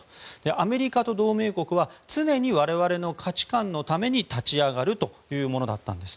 アメリカと同盟国は常に我々の価値観のために立ち上がるというものだったんです。